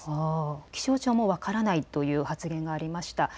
気象庁も分からないという発言がありました。